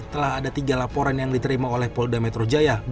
telah ada tiga laporan yang diterima oleh polda metro jaya